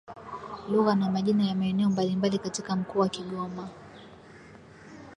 lugha na majina ya maeneo mbalimbali katika mkoa wa kigoma